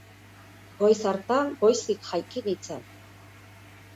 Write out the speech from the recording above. Goiz hartan goizik jaiki nintzen!